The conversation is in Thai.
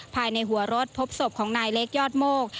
ภายในหัวรถพบศพของนายเล็กยอดโมก